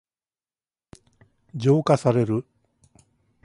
浄化される。